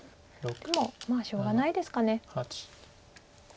でもまあしょうがないですか。